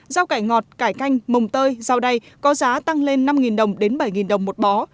rau cải ngọt cải canh mồng tơi rau đay có giá tăng lên năm đồng đến bảy đồng một bó